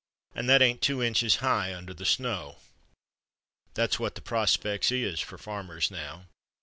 that ain't two inches high under the snow. That's what the prospects is for farmers now.